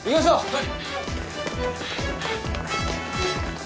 はい。